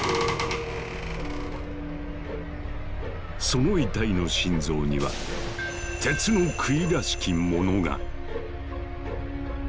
その遺体の心臓には鉄の杭らしきものが！